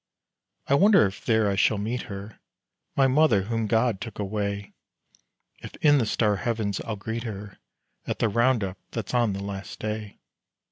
I wonder if there I shall meet her, My mother whom God took away; If in the star heavens I'll greet her At the round up that's on the last day.